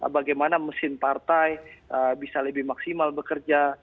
bagaimana mesin partai bisa lebih maksimal bekerja